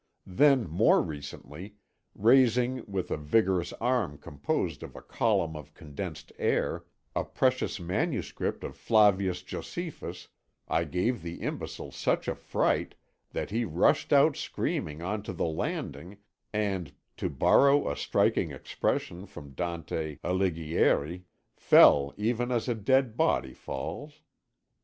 Then more recently, raising, with a vigorous arm composed of a column of condensed air, a precious manuscript of Flavius Josephus, I gave the imbecile such a fright, that he rushed out screaming on to the landing and (to borrow a striking expression from Dante Alighieri) fell even as a dead body falls.